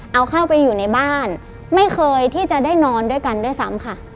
เอาเข้าไปอยู่ในบ้านไม่เคยที่จะได้นอนด้วยกันด้วยซ้ำค่ะ